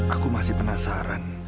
aku masih penasaran